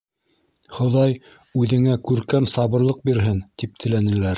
— Хоҙай үҙеңә күркәм сабырлыҡ бирһен, — тип теләнеләр.